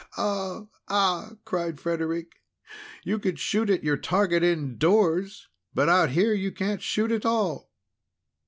"Ah! Ah!" cried Frederic. "You could shoot at your target in doors, but out here, you can't shoot at all!"